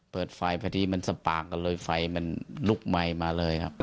เปิดไฟพอดีมันสปางกันเลยไฟมันลุกไหมมาเลยครับ